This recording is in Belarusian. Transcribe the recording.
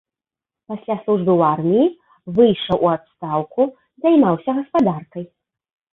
Пасля службы ў арміі выйшаў у адстаўку, займаўся гаспадаркай.